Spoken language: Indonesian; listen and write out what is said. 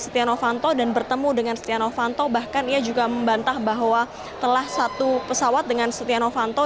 setia novanto dan bertemu dengan setia novanto bahkan ia juga membantah bahwa telah satu pesawat dengan setia novanto